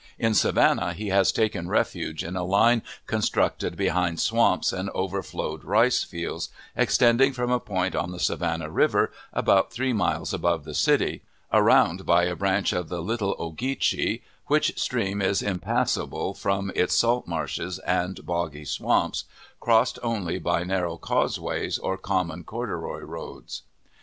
In Savannah he has taken refuge in a line constructed behind swamps and overflowed rice fields, extending from a point on the Savannah River about three miles above the city, around by a branch of the Little Ogeechee, which stream is impassable from its salt marshes and boggy swamps, crossed only by narrow causeways or common corduroy roads.